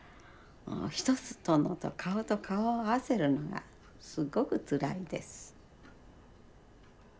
人様と顔と顔を合わせるのがすごくつらいです。